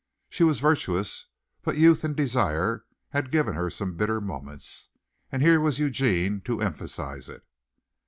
She was virtuous, but youth and desire had given her some bitter moments. And here was Eugene to emphasize it.